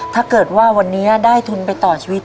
ถ้าเกิดว่าวันนี้ได้ทุนไปต่อชีวิต